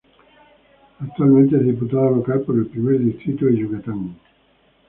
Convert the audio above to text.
Actualmente es diputado local por el primer distrito de Yucatán.